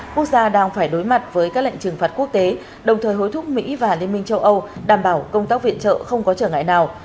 quốc gia đang phải đối mặt với các lệnh trừng phạt quốc tế đồng thời hối thúc mỹ và liên minh châu âu đảm bảo công tác viện trợ không có trở ngại nào